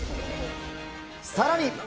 さらに。